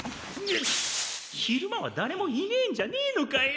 ひるまはだれもいねえんじゃねえのかよ！